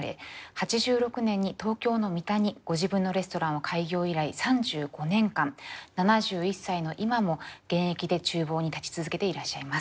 ８６年に東京の三田にご自分のレストランを開業以来３５年間７１歳の今も現役で厨房に立ち続けていらっしゃいます。